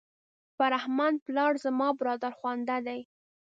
فرهمند پلار زما برادرخوانده دی.